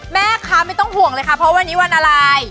แม่คะไม่ต้องห่วงเลยค่ะเพราะวันนี้วันอะไร